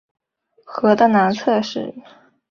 河的南侧是。